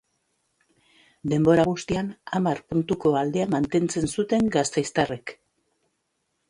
Denbora guztian hamar puntuko aldea mantentzen zuten gasteiztarrek.